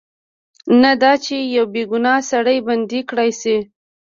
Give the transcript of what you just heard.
نه دا چې یو بې ګناه سړی بندي کړای شي.